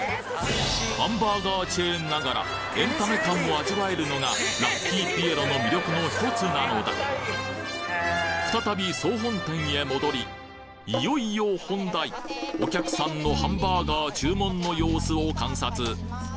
ハンバーガーチェーンながらエンタメ感を味わえるのがラッキーピエロの魅力のひとつなのだ再びいよいよ本題お客さんのハンバーガーすると！